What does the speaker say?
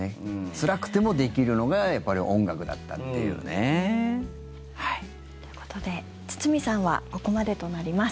つらくてもできるのが音楽だったっていうね。ということで堤さんはここまでとなります。